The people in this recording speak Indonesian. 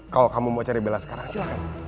kalau kamu mau cari bela sekarang silahkan